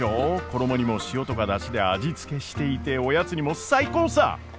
衣にも塩とか出汁で味付けしていておやつにも最高さ！